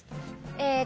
えっ？